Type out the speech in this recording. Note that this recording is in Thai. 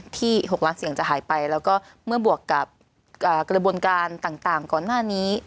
๖ล้านเสียงจะหายไปแล้วก็เมื่อบวกกับกระบวนการต่างก่อนหน้านี้